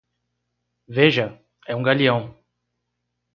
Veja: é um galeão!